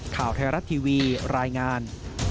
ข่าวไทยรัฐทีวีรายงาน